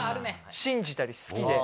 信じたり好きで。